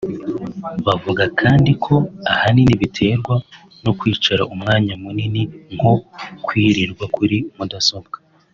bavuga kandi ko ahanini biterwa no kwicara umwanya munini nko kwirirwa kuri mudasobwa